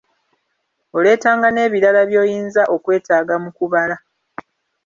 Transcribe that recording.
Oleetanga n'ebirala by'oyinza okwetaaga mu kubala.